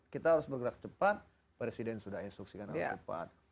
kita harus bergerak cepat presiden sudah instruksikan dengan cepat